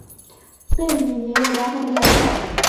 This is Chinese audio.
贝里也有良好的表现。